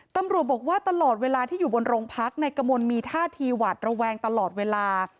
ตำรวจบอกว่าตลอดเวลาที่อยู่บนโรงพักนายกมลมีท่าทีหวัดระแวงตลอดเวลา